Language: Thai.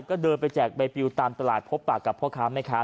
ก็เดินไปแจกใบปิวตามตลาดพบปากกับพ่อค้าแม่ค้า